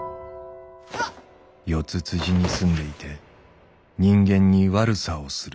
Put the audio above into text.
四つ辻に住んでいて人間に悪さをする魔物。